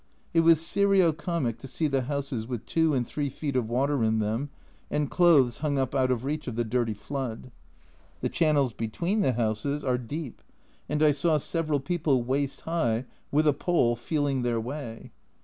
It was serio comic to see the houses with 2 and 3 feet of water in them, and clothes hung up out of reach of the dirty flood. The channels between the houses are A Journal from Japan deep, and I saw several people waist high, with a pole, feeling their way.